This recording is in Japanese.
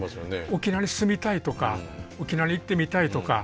沖縄に住みたいとか沖縄に行ってみたいとか。